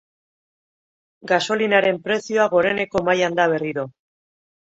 Gasolinaren prezioa goreneko mailan da berriro.